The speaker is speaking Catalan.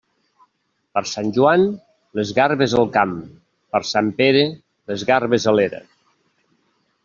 Per sant Joan, les garbes al camp; per sant Pere, les garbes a l'era.